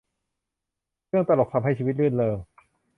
เรื่องตลก ทำให้ชีวิตรื่นเริง